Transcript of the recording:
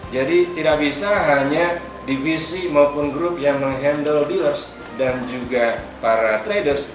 jadi tidak bisa hanya divisi maupun group yang menghandle dealers dan juga para traders